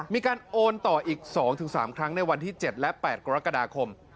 มีการโอนต่ออีก๒๓ครั้งในวันที่๗และ๘กรกฎาคม